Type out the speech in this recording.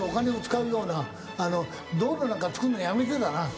道路なんか造るのやめてだな